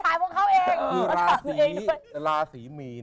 จริงไม่ต้องใช้พี่ธีกร